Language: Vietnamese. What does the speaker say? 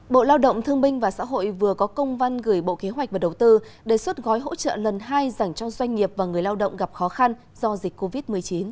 bộ lao động thương minh và xã hội vừa có công văn gửi bộ kế hoạch và đầu tư đề xuất gói hỗ trợ lần hai dành cho doanh nghiệp và người lao động gặp khó khăn do dịch covid một mươi chín